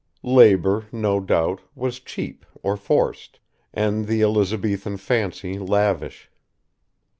Labour, no doubt, was cheap or forced, and the Elizabethan fancy lavish.